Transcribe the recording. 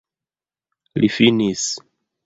Li finis!